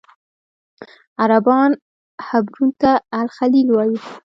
عربان حبرون ته الخلیل وایي.